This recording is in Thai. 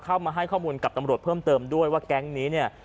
เข้ามาให้ข้อมูลกับตำรวจเพิ่มเติมด้วยว่าแก๊งนี้เนี่ย